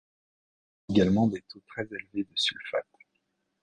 Il y a également des taux très élevés de sulfate.